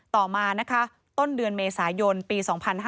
ต่อมานะคะต้นเดือนเมษายนปี๒๕๕๙